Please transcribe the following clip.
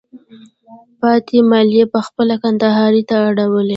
پاتې مالیه په خپله کندهار ته راوړئ.